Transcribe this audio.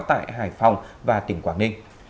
tại hải phòng và tỉnh quảng ninh